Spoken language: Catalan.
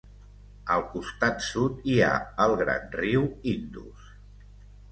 Al costat sud hi ha el gran riu Indus.